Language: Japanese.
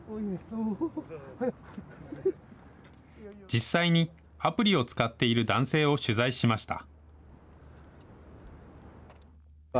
実際にアプリを使っている男性を取材しました。